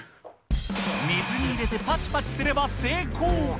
水に入れてぱちぱちすれば成功。